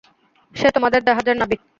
সে তোমাদের জাহাজের নাবিক।